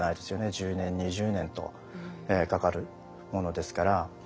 １０年２０年とかかるものですから。